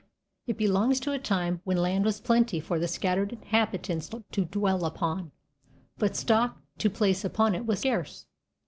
It belongs to a time when land was plenty for the scattered inhabitants to dwell upon, but stock to place upon it was scarce.